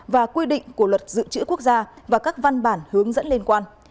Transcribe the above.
và quy định của luật dự trữ quốc gia và các văn bản hướng dẫn liên quan